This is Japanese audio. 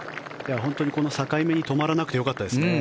境目に止まらなくてよかったですね。